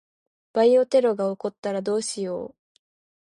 バイオテロが起こったらどうしよう。